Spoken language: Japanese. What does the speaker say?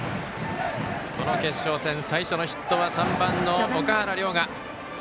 この決勝戦、最初のヒットは３番の岳原陵河。